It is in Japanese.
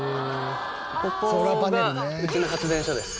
ここがうちの発電所です。